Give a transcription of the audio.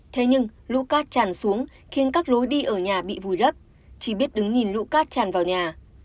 thế nhưng lũ cát tràn xuống khiến các lối đi ở nhà bị vùi lấp chỉ biết đứng nhìn lũ cát tràn vào nhà